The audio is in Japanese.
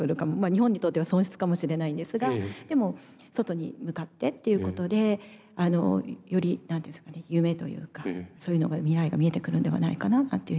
日本にとっては損失かもしれないんですがでも外に向かってっていうことでより何て言うんですかね夢というかそういうのが未来が見えてくるんではないかな。